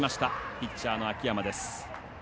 ピッチャーの秋山です。